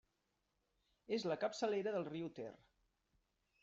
És la capçalera del riu Ter.